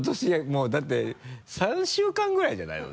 もうだって３週間ぐらいじゃないの？